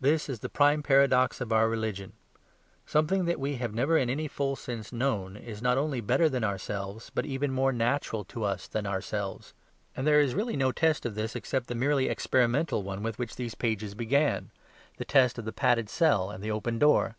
This is the prime paradox of our religion; something that we have never in any full sense known, is not only better than ourselves, but even more natural to us than ourselves. And there is really no test of this except the merely experimental one with which these pages began, the test of the padded cell and the open door.